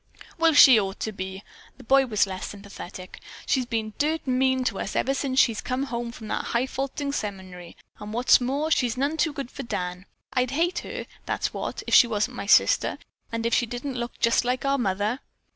"Well, she sure ought to be." The boy was less sympathetic. "She's been dirt mean to us ever since she's been home from that hifalutin' seminary, and what's more, she's none too good to Dan. I'd hate her, that's what, if she wasn't my sister, and if she didn't look just like our mother.